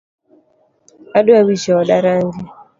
Adwa wicho oda rangi .